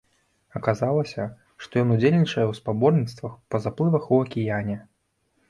Аказалася, што ён удзельнічае ў спаборніцтвах па заплывах у акіяне.